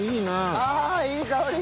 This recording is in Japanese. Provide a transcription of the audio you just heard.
ああいい香り！